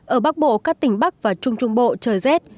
ở bắc bộ các tỉnh bắc và trung trung bộ trời rét